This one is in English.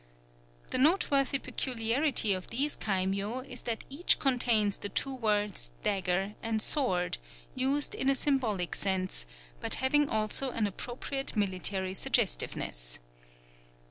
The noteworthy peculiarity of these kaimyō is that each contains the two words, "dagger" and "sword," used in a symbolic sense, but having also an appropriate military suggestiveness.